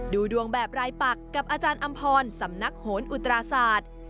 ดูดวงแบบรายปักกับอาจารย์อำพรสำนักโหนอุตราศาสตร์